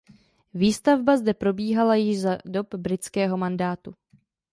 Výstavba zde probíhala již za dob britského mandátu.